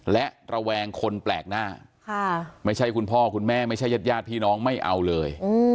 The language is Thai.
และระแวงคนแปลกหน้าไม่ใช่คุณพ่อคุณแม่ไม่ใช่ญาติญาติพี่น้องไม่เอาเลย